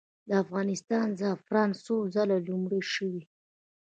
د افغانستان زعفران څو ځله لومړي شوي؟